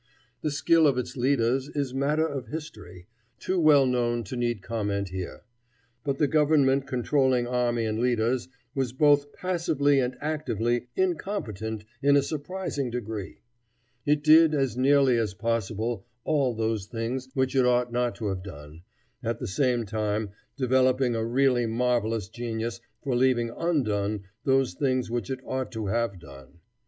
The skill of its leaders is matter of history, too well known to need comment here. But the government controlling army and leaders was both passively and actively incompetent in a surprising degree. It did, as nearly as possible, all those things which it ought not to have done, at the same time developing a really marvelous genius for leaving undone those things which it ought to have done.